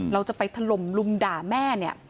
เราจะไปถล่มลุมด่าแม่เนี่ย